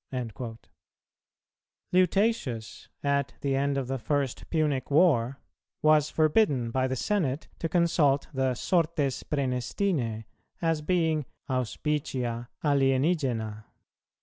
"[234:2] Lutatius,[234:3] at the end of the first Punic war, was forbidden by the senate to consult the Sortes Prænestinæ as being "auspicia alienigena."